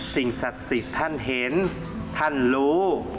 สิ่งสัจศิษย์ท่านเห็นท่านรู้